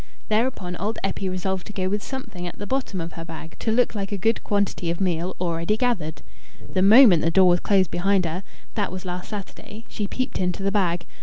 Thereupon old Eppie resolved to go with something at the bottom of her bag to look like a good quantity of meal already gathered. The moment the door was closed behind her that was last Saturday she peeped into the bag.